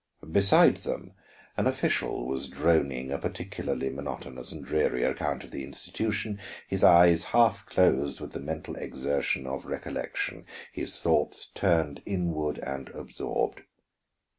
Beside them an official was droning a particularly monotonous and dreary account of the institution, his eyes half closed with the mental exertion of recollection, his thoughts turned inward and absorbed.